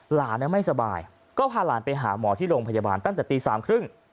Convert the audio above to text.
หลานไม่สบายก็พาหลานไปหาหมอที่โรงพยาบาลตั้งแต่ตีสามครึ่ง